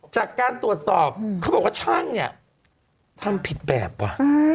จากการตรวจสอบเขาบอกว่าช่างเนี่ยทำผิดแบบว่ะ